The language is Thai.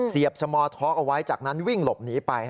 เสียบสมอเทาะเอาไว้จากนั้นวิ่งหลบหนีไป